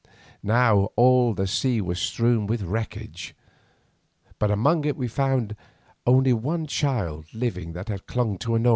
Now all the sea was strewn with wreckage, but among it we found only one child living that had clung to an oar.